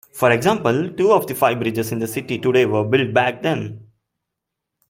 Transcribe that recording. For example, two of the five bridges in the city today were built back then.